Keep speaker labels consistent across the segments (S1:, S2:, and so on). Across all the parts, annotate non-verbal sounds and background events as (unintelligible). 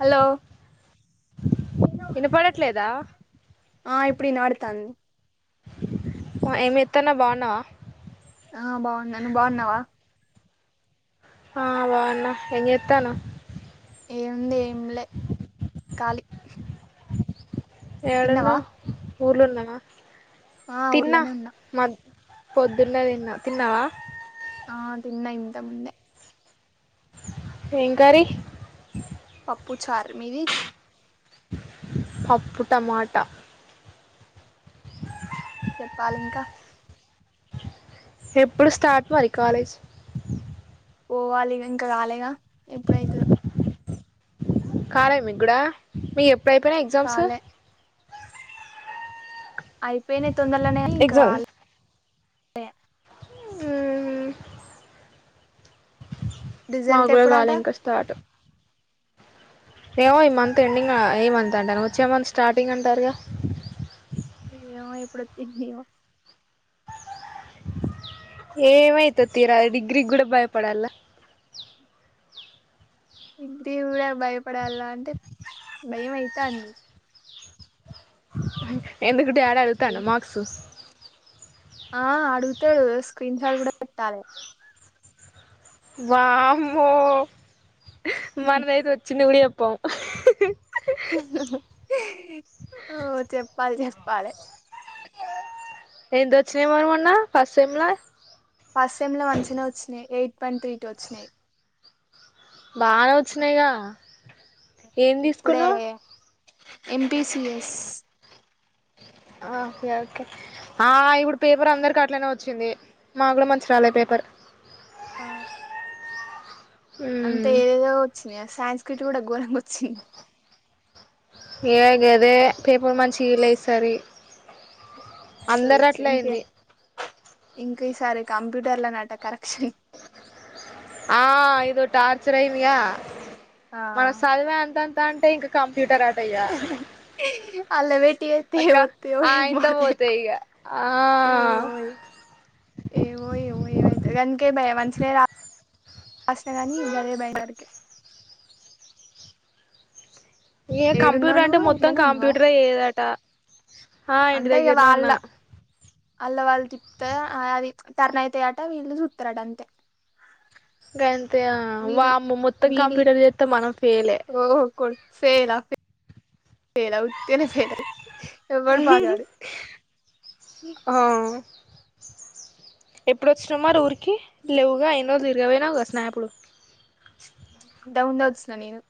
S1: Hello
S2: వినపడట్లేదా
S1: ఆ ఇప్పుడు వినపడతాంది
S2: ఆ ఎంజెత్తన్నావ్ బాగున్నావా
S1: ఆ బాగున్నా నువ్వు బాగున్నావా
S2: ఆ బాగున్న ఏం చేస్తాన్నావ్
S1: ఏముంది ఏమి లే ఖాలీ తిన్నావా
S2: యడన్నావ్ ఊర్లో ఉన్నావా
S1: ఆ
S2: తిన్నా
S1: ఊర్లోనే ఉన్నా
S2: మ పొద్దున్నె తిన్న తిన్నావా
S1: ఆ తిన్న ఇంతకు ముందె
S2: ఏం కర్రీ
S1: పప్పు చారు మీది
S2: పప్పు టమాట (inaudible)
S1: చెప్పాలి ఇంకా
S2: ఎప్పుడు స్టార్ట్ మరి కాలేజ్
S1: పోవాలి ఇంకా రాలేగా ఎప్పుడైతాదొ
S2: కాలే మీకు కూడా మీ ఎప్పుడైయిపోయినాయీ ఎగ్జామ్స్
S1: కాలే అయిపోయినాయి తొందరలనే ఇంకా
S2: ఎగ్జామ్
S1: రాలే
S2: హు మాకు
S1: రిజల్ట్
S2: కూడా
S1: ఎప్పుడట
S2: గాలె ఇంకా స్టార్ట్ ఏమో ఈ మంత్ ఎండింగ్ ఏ మంత్ అంటాన్న వచ్చే మంత్ స్టార్టింగ్ అంటారుగా
S1: ఏమో ఏ ప్పుడుతది ఙ్ఞామో
S2: ఏమైతది తీరా డిగ్రీ కూడా భయపడల్ల
S1: డిగ్రీ కూడా భయపడాలా అంటే భయం అయితాంది
S2: ఎందుకూ డాడ్ అడుగుతండా మార్క్సు
S1: ఆ అడుగుతాడు స్క్రీన్ షాట్ కూడా పెట్టాలె
S2: వామ్మో మనమైతే వచ్చింది గుడా చెప్పం
S1: ఉ చెప్పాలే చెప్పాలే
S2: ఎంత వచ్చినా మరి మొన్న ఫస్ట్ సేమ్ లా
S1: ఫస్ సెమ్ లా మంచిగానే వచ్చినాయి ఎయిట్ పాయింట్ త్రీ టు వచ్చినాయి
S2: బానే వచ్చినాయి గా
S1: ఇప్పుడే ఎంపిసిఎస్
S2: ఓకే ఓకే ఆ ఇప్పుడు పేపర్ అందరికి అట్లనే వచ్చింది మాకూడా మంచిగా రాలేదు పేపర్
S1: ఆ అంటె
S2: మ్మ్
S1: ఏవొవో వచ్చినయ ఆ సాంస్క్రిట్ కూడా ఘోరంగా వచ్చింది
S2: ఏ గదే పేపర్ మంచిగా ఇయలే ఈసారి
S1: సో
S2: అందరు
S1: ఇట్స్
S2: అట్ల
S1: ఇంకే
S2: అయింది
S1: ఇంక ఈసారి కంప్యూటర్లో నట కరెక్షన్
S2: ఆ ఇదో టార్చర్ అయిందిగా
S1: ఆ
S2: మన చదివె అంతంత అంటే ఇంక కంప్యూటర్ ఆట ఇగ
S1: అల్ల బెట్టి చేత్
S2: అక్క
S1: ఎమోత్తయో
S2: ఆ
S1: ఏమో
S2: ఇంత
S1: తెలియాద్
S2: పోతాయి ఇగ ఆ
S1: ఏమో ఏవో ఏవో ఏమైతదిగని గందుకే భయం మంచినె రా రాసినా కాని ఇంకా అదే భయం
S2: ఏ కంప్యూటర్
S1: ఏడున్నావు
S2: అంటే
S1: నువ్వు
S2: మొత్తం
S1: ఇట్లనే ఉన్నావా
S2: కంప్యూటరే చెయ్యదట హా ఇంటి
S1: అంటే ఇగ
S2: దగ్గరనే
S1: వాళ్ళ
S2: ఉన్నా
S1: అల్ల వాళ్ళు తిప్తరూ అది టర్న్ అయితాయట వీళ్ళు చుట్టరాటా అంతే
S2: గంతే
S1: వీళ్ళు
S2: వామ్మో మొత్తం కంప్యూటర్ చేస్త మనం ఫెయిల్
S1: ఓహ ఫేలాే ఫేలా (unintelligible) ఉత్తిగనే ఫెయిల్ ఎవడు పాస్గాడు
S2: ఆ ఎప్పుడు వచ్చినావు మరిఊరికి లేవుగా అయిన ఇన్ని రోజులు తిరిగపోయినావు. కథ స్నాప్
S1: ఎంతకు ముందే వచ్చిన నేను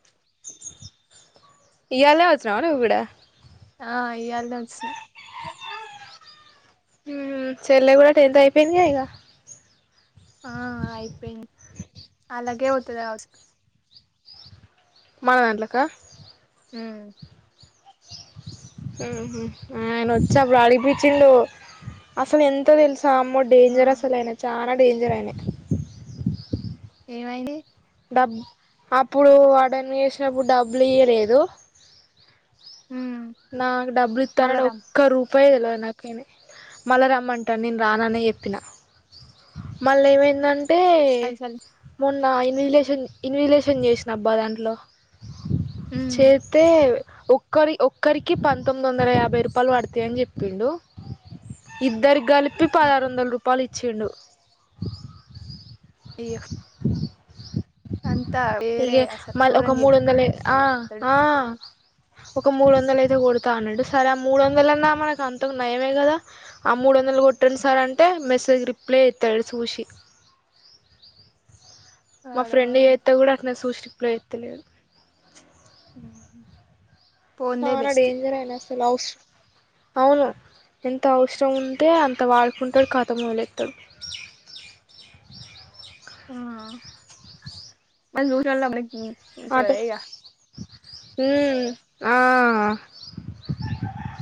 S2: ఇవాళే వచ్చినవా నువ్వు కూడా
S1: ఆ ఈయాలెనే వచ్చిన
S2: చెల్లె కూడా టెంత్ అయిపోయిందిగా ఇక
S1: ఆ అయిపోయింది. ఆన్లకే పోతాది కావచ్చు
S2: మన దాంట్లక
S1: ఉమ్
S2: ఆయన వచ్చాప్పుడు అడిగోపిచుండు అసలు ఎంతో తెలుసా అమ్మ
S1: ఆ
S2: డేంజరస్ అసలా ఆయన చాలా డేంజర్ అయినా
S1: ఏమైంది
S2: డబ్ అప్పుడు వార్డెన్ గా వేసినప్పుడు డబ్బులు ఇయలేదు
S1: ఉమ్
S2: నాకు డబ్బులు
S1: మళ్ళ
S2: ఇతరుఅని
S1: రా
S2: ఒక రూపాయి ఇవాళే, నాకే ఏమి మళ్ళా రమ్మంటా నేనురాననే చెప్పినా మళ్ళ ఏమైందంటే
S1: పైసలు
S2: మొన్న ఇన్విలేషన్ ఇన్విలేషన్ చేసిన అబ్బా దాంట్లో
S1: ఉమ్
S2: చేస్తే ఒక్కడి ఒక ఒకరికి పంతొమ్మిది వందల యాభై రూపాయలు పడతాయని చెప్పిండు. ఇద్దరు కలిపి
S1: ఆ
S2: పదహారు వందల రూపాయలు ఇచ్చేండు
S1: అయ్యో అంతా
S2: ఇక
S1: వేరే అసలు
S2: మళ ఒక
S1: ఘోరం
S2: మూడు వందల ఆ
S1: చేస్తాడు
S2: ఆ ఒక మూడు వందల అయితే కొడతా అన్నాడు. సరే ఆ మూడు వందలన్నా మనకు అంత నయమే కదా ఆ మూడు వందలు కొట్టండి సార్ అంటే మెసేజ్ రిప్లై ఇతలేదు చూసి మా
S1: వాడు
S2: ఫ్రెండ్ చేయితే కూడా అట్లనే చూసి రిప్లై ఇతలేడు
S1: ఉమ్
S2: చాలా డెంజర్ అయిన అవస అవును ఎంత అవసరం ఉంటే అంత వాడుకుంటడు. ఖతం వదిలేతడు
S1: ఆ దూరమ (unintelligible)
S2: అటు హ్మ్మ్ ఆ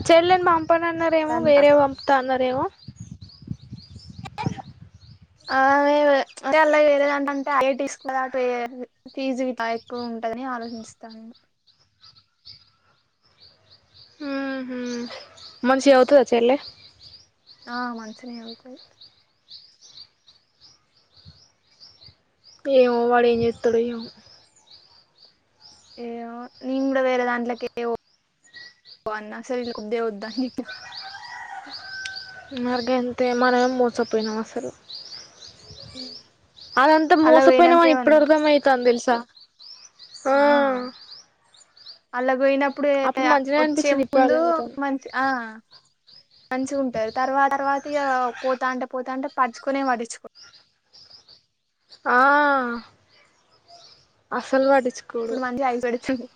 S2: చెల్లెను పంపాను అన్నారు. ేమో
S1: ఇగ
S2: వేరే పంపుత అన్నారురేమో
S1: ఆే అంటే అలాగే వేరేదాంట అంటే అ తీసుకుదా అటు (unintelligible) ఫీజు గిట్ల ఎక్కువ ఉంటదిని ఆలోచిస్తాను.
S2: ఉమ్మ్ మంచిగ చదువుతుందా చెల్లె
S1: ఆ మంచిగానే చదువుతది
S2: ఏమో వాడు ఏం చేస్తాడు ఏమో
S1: ఏ నేను కూడా వేరే దాంట్లోకే అన్నా అసలె వద్దె వద్దా అనుచేప
S2: మరిగంతే మనం మోసపోయినాం అసలు అదంతా
S1: అలా
S2: మోసపోయినమని ఇప్పుడు
S1: పోయినాకేమన్నా
S2: అర్థం అవుతాంది తెలుసా
S1: ఆ అలాగయినా ఇప్పుడే
S2: అప్పుడు మంచిగనే
S1: వచ్చే
S2: అనిపించింది ఇప్పుడు
S1: ముందు
S2: అర్థమయితాంది
S1: మంచి ఆ మంచిగా ఉంటారు తర్వాత తర్వాత ఇగ పోతా అంటే పోతా అంటే పట్టిచుకొనే పటిన్చుకో
S2: ఆ అస్సల్ పటిచ్చు
S1: ఇప్పుడు మంచిగ ఐస్సోడాచ్చిండు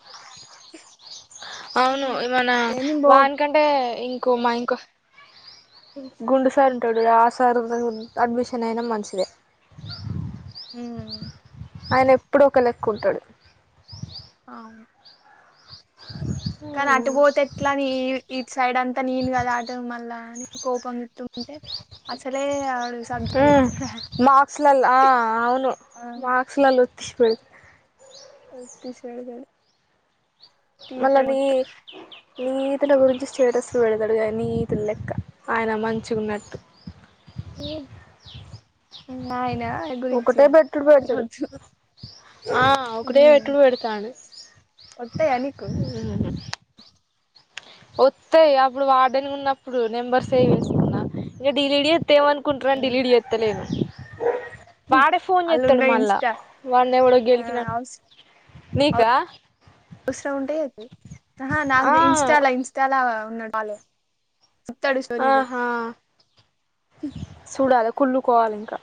S2: అవును ఏమనా
S1: ఏ నేను బో
S2: వానికంటే ఇంకో మా ఇంకో గుండు సార్ ఉంటాడు ఆ సార్ అడ్మిషన్ అయిన మంచిదే
S1: హ
S2: ఆయన ఎప్పుడు ఒక లెక్కుంటాడు
S1: అవును కానీ అటు పోతే ఎట్లానీ ఇట్సైడ్ అంతా నేను కదా అటు మళ్ళా అని కోపం చ అంటే
S2: ఆ మార్క్స్ల ఆ అవును
S1: ఆ
S2: మ అస్సలులోచ్పోయి
S1: ఆ తీసేగాడు
S2: మల్లని నీతుల గురించి స్టేటస్లు పెడతాడు కానీ నీతుల లెక్క ఆయన మంచిుగాన్నట్టు
S1: ఆయనా గురించిగ
S2: ఒకటే పెట్టుడు పెడతాడు
S1: వచ్చు
S2: ఆ ఒకటే రేట్లు పెడతాండు
S1: ఒత్తయానీకు
S2: ఓతాయి అప్పుడు వాార్డన్ ఉన్నప్పుడు నెంబర్ సేవ్చేసుకున్నా ఇంకా డిలిడీ వాతేవన్ కుంట్రాన్ డిలీట్ చేతలేను వాడే ఫోన్
S1: అళ్ళు
S2: చేస్తాడు
S1: ఉన్నాయి
S2: మళ్ళా
S1: ఇన్స్టా
S2: వాడిని ఎవడో
S1: ఆ
S2: గెలికిినాట్ నీకా
S1: అవసరం ఉంటేదు ఆహా నాకు
S2: ఆ
S1: ఇన్స్టాల ఇన్స్టాల ఉన్నటాలే
S2: ఆహా చూడాలా కుళ్ళుకోవాలి ఇంకా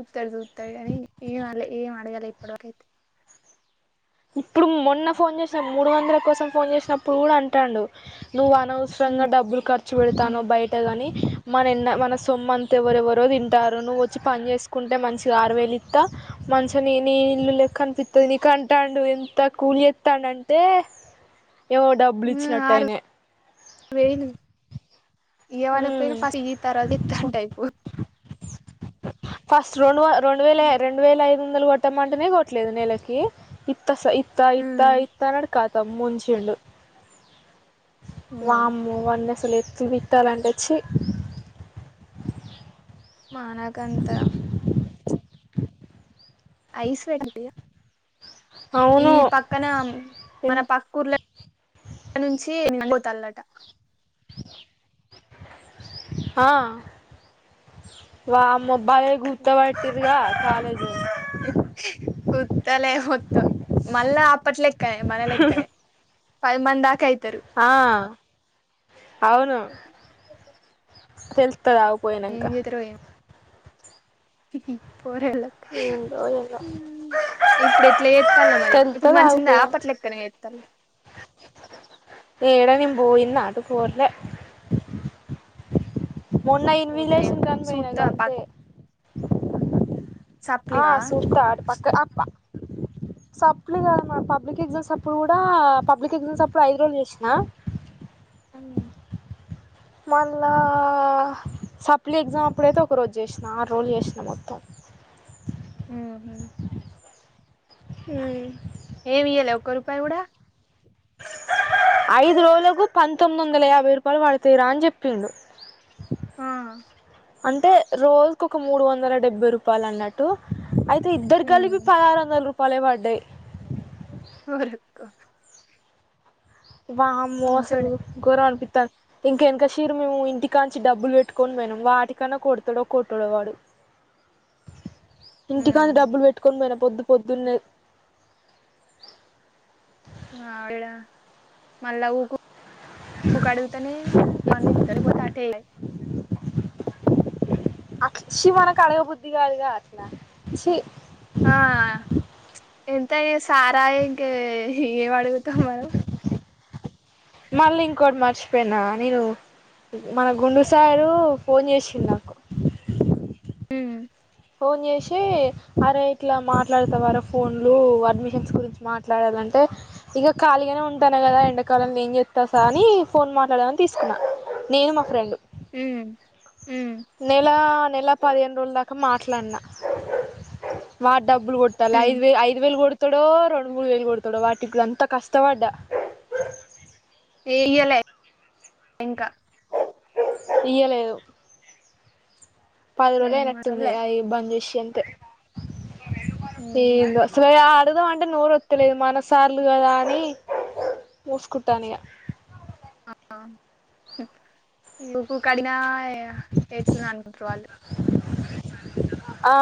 S1: చుతాడు చుతాడు కానీ ఏం అ ఏం అడగాలే ఇప్పటివరకైతే
S2: ఇప్పుడు మొన్న ఫోన్ చేసేన్ మూడు వందల కోసం ఫోన్ చేసినప్పుడు కూడా అంటాడు నువ్వు అనవస వస్రంగా డబ్బులు ఖర్చు పెడతనవ్ బై అేగాని మన ఎన్న మన సోమ్మంతా ఎవరెవరో తింటారు నువ్వు వచ్చి పని చేస్ కుంటే మంచిగా ఆరువేలు ఇస్తా మంచిగా నీ నీ ఇల్లు లెక్కనిపితది నీక్ తట్టాండు ఎంత కూలి ఎస్తాడు అంటే ఏవో డబ్బులు ఇచ్చినట్టటుయినే
S1: వెయిను ఏమనా తిను ఫస్ట్ ఇ తర్వాత ఇతంటే అయిపో
S2: ఫస్ట్ రెండు రెండు వేల రెండు వేల ఐదు వందలు కొట్టమంటేనే కొట్టలేదు నెలకి ఇత్త స ఇత్త ఇత్త ఇత్త ఖతం ముంచిండు
S1: ఉమ్
S2: వామ్మో వాన్నసాలు ఎతు విట్టాల అంటెచి
S1: మానకంత ఐస్ వెడి ఈ
S2: అవును
S1: పక్కన మన పక్కర్ల నుంచి పోతాలాట
S2: ఆ వామ్మో భలే గుత్తబట్టిర్రుగా కాలేజ్
S1: గుత్తలే మొత్తం మళ్ళా అప్పట్లెక్కనే మన లెక్కనే పదిమంది దాకా అయితరు
S2: ఆ అవును తెలుత్తదాగు పోయినంక
S1: ఏం పోరగాళ్ల
S2: ఏందో ఏందో
S1: ఇప్పుడు ఎట్లా చేత్తాల్లో మరి ఇప్పుడు
S2: తెలుత్తది
S1: మంచిగుందా
S2: ఆగిపోయినంక
S1: అప్పట్లే ఎత్తాల్
S2: ఏడ నేను పోయినా అటు పోట్లే మొన్న
S1: పోతే
S2: ఇన్విలేషన్ అని పోయినా
S1: సూత్తా బ
S2: గంతే ఆ
S1: సప్లిగా
S2: సుస్తా అటు పక్క ఆపా సప్లి కాదు మా పబ్లిక్ ఎగ్జామ్స్ అప్పుడు కుడా పబ్లిక్ ఎగ్జామ్స్ అప్పుడు ఐదు రోజులు చేసినా
S1: అవునా
S2: మళ్ళ సప్లీ ఎగ్జామ్ అప్పుడైతే ఒక రోజు చేసినా ఆరు రోజులు చేసినా మొత్తం
S1: ఉహు
S2: ఉ
S1: ఏమి ఇయ్యలే ఒక్క రూపాయి కూడా
S2: ఐదు రోజులకు పంతొమ్మిది వందల యాభై రూపాయలు పడుతాయి రా అని చెప్పిండు
S1: ఆ
S2: అంటే రోజుకు ఒక మూడు వందల డెబ్బై రూపాయలు అన్నట్ టు అయితే ఇద్దరికి
S1: ఉమ్,
S2: కలిపి పదహారు వందల రూపాయలే పడ్డాయి
S1: ఒరేయ్కో
S2: వామ్మో అసలు
S1: మంచోడే
S2: గోరం అనిపిత్తాంది ఇంకా ఎనకషిరి మేము ఇంటికా నుంచి డబ్బులు పెట్టుకొని మేము వాటికన్నా కొడాతడో కొట్టాడో వాడు
S1: ఉమ్,
S2: ఇంటికాంచి డబ్బులు పెట్టుకొని పోయినా పొద్దు పొద్దున్నే
S1: ఈడ మళ్ళ ఉకు ఇంకా అడగుతానే మళ్ళ ఇత్తాడు లేకపోతే అటే ఇగయి
S2: అట్ల ఇచ్చి మనకు అడగబుద్ధి కాదుగా అట్లా చీ
S1: ఆ ఎంతయే సార్ ఆయే ఇంక ఏమి అడుగుతాం మనం
S2: మళ్ల ఇంకోటి మర్చపోనా నేను మన గుండు సారు ఫోన్ చేసిండు నాకు
S1: ఉమ్
S2: ఫోన్ చేసి అరే ఇట్లా మాట్లాడతావారా ఫోన్లు అడ్మిషన్స్ గురించి మాట్లాడాలంటే ఇగ ఖాళగానే ఉంటానా కదా ఎండాకాలంలో ఏం చెస్తాసా అని ఫోన్ మాట్లాడదామని తీసుకున్నా నేను మా ఫ్రెండ్
S1: ఉమ్ ఉమ్
S2: నెల నెల పదిహేను రోజుల దాకా మాట్లాడిన వాడు డబ్బలు కొట్టాలా
S1: ఉమ్,
S2: ఐదు వే ఐదు వేలు కొడతాడో రెండు మూడు వేలు కొడతాడో వాటికి కూడా అంత కష్టపడ్డా
S1: ఏయ్యలే ఇంకా
S2: ఇయ్యలేదు పది రోజు
S1: ఉమ్,
S2: అయినట్టుంది
S1: అసలే
S2: అయి బంద్ చేసి అంతే
S1: ఉహు,
S2: ఈగో అసలు అడుగుదామంటే అంటే నోరత్తలేదు ఇగ మనసార్లు కదా అని మూసుకుంటాన ఇగ
S1: (unintelligible)
S2: ఆ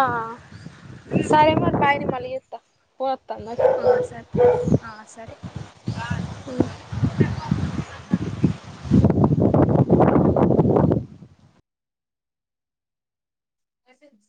S2: (unintelligible) (inaudible)
S1: ఆ సరే (inaudible) మెసేజ్